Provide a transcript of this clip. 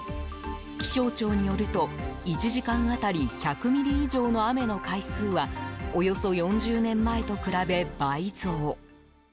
気象庁によると、１時間当たり１００ミリ以上の雨の回数はおよそ４０年前と比べ倍増。